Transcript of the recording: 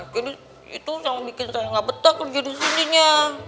jadi itu yang bikin saya gak betah kerja di sininya